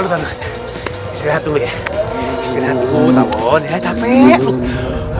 hanya di dalam jiwa